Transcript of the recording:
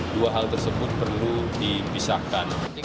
dua hal tersebut perlu dipisahkan